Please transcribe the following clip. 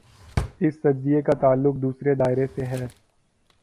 اس تجزیے کا تعلق دوسرے دائرے سے ہے۔